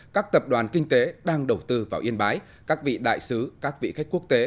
các tập đoàn kinh tế đang đầu tư vào yên bái các vị đại sứ các vị khách quốc tế